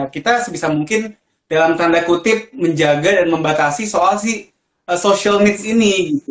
kita sebisa mungkin dalam tanda kutip menjaga dan membatasi soal si social needs ini